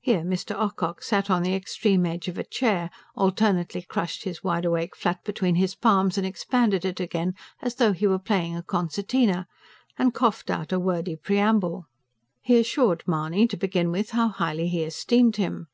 Here Mr. Ocock sat on the extreme edge of a chair; alternately crushed his wide awake flat between his palms and expanded it again, as though he were playing a concertina; and coughed out a wordy preamble. He assured Mahony, to begin with, how highly he esteemed him.